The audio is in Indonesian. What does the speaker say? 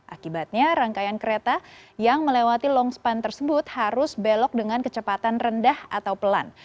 akibatnya rangkaian kereta yang melewati longspan tersebut harus belok dengan kecepatan rendah atau pelan